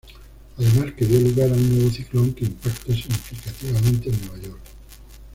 Además que dio lugar a un nuevo ciclón que impacta significativamente en Nueva York.